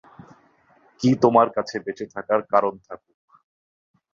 কি তোমার কাছে বেঁচে থাকার কারণ থাকুক।